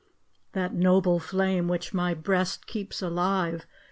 That noble flame, which my Ijreast keeps alive.